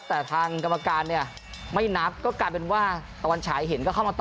แต่ทางกรรมการเนี่ยไม่นับก็กลายเป็นว่าตะวันฉายเห็นก็เข้ามาต่อ